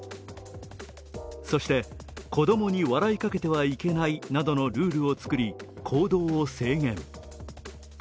そして子供に笑いかけてはいけないなどのルールを作り、行動を制限。